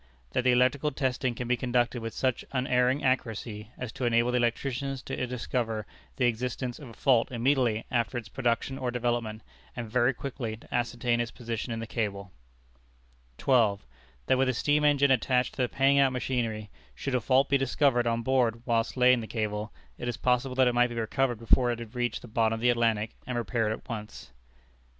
That the electrical testing can be conducted with such unerring accuracy as to enable the electricians to discover the existence of a fault immediately after its production or development, and very quickly to ascertain its position in the cable. 12. That with a steam engine attached to the paying out machinery, should a fault be discovered on board whilst laying the cable, it is possible that it might be recovered before it had reached the bottom of the Atlantic, and repaired at once.